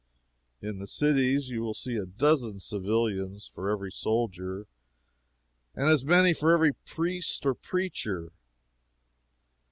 In the cities you will see a dozen civilians for every soldier, and as many for every priest or preacher.